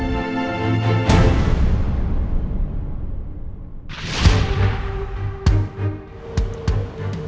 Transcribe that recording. tidak ada apa apa